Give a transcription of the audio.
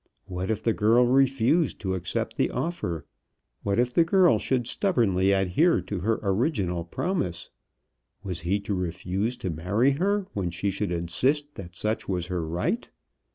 But what if the girl refused to accept the offer? What if the girl should stubbornly adhere to her original promise? Was he to refuse to marry her when she should insist that such was her right?